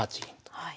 はい。